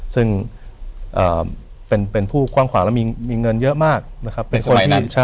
ซึ่งเป็นผู้กว้างขวางและมีเงินเยอะมากนะครับ